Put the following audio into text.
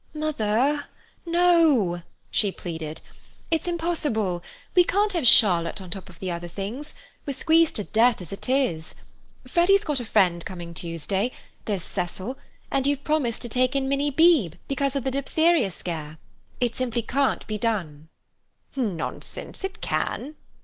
"Mother, no!" she pleaded. "It's impossible. We can't have Charlotte on the top of the other things; we're squeezed to death as it is. Freddy's got a friend coming Tuesday, there's Cecil, and you've promised to take in Minnie Beebe because of the diphtheria scare. It simply can't be done." "Nonsense! It can."